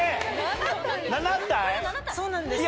そうなんです